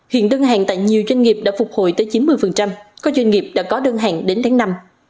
hiện đơn hàng tại nhiều doanh nghiệp đã phục hồi tới chín mươi có doanh nghiệp đã có đơn hàng đến tháng năm